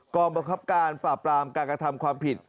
กรรมบังคับการปราบปรามการกระทำความผิด